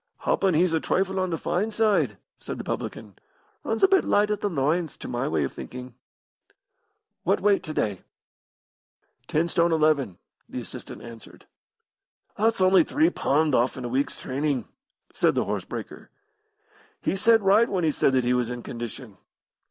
"Happen he's a trifle on the fine side," said the publican. "Runs a bit light at the loins, to my way of thinking'." "What weight to day?" "Ten stone eleven," the assistant answered. "That's only three pund off in a week's trainin'," said the horse breaker. "He said right when he said that he was in condition.